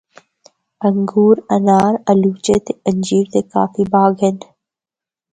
انگور، انار، آلوچے تے انجیر دے کافی باغ ہن۔